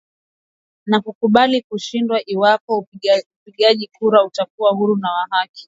Na kukubali kushindwa iwapo upigaji kura utakuwa huru na wa haki.